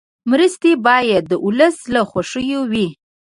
مرستې باید د ولس له خوښې وي.